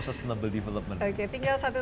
sustainable development oke tinggal satu